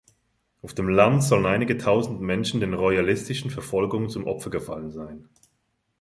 Auf dem Land sollen einige Tausend Menschen den royalistischen Verfolgungen zum Opfer gefallen sein.